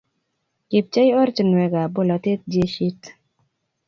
Kibchei ortinwekab bolotet jeshit.